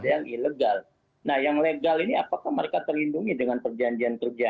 yang ilegal nah yang legal ini apakah mereka terlindungi dengan perjanjian kerja